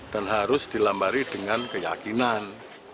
dan harus dilambari dengan keyakinan